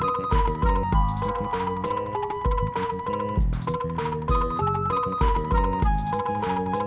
agar puyana aku aku maui